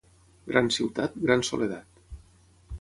Gran ciutat, gran soledat.